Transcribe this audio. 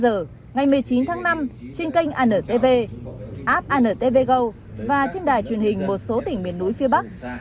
được truyền hình trực tiếp vào lúc hai mươi h ngày một mươi chín tháng năm trên kênh antv app antv go và trên đài truyền hình một số tỉnh miền núi phía bắc